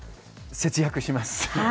節約します。